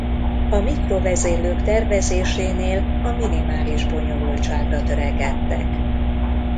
A mikrovezérlők tervezésénél a minimális bonyolultságra törekedtek.